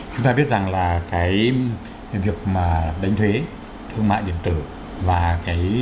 chúng ta biết rằng là cái việc mà đánh thuế thương mại điện tử và cái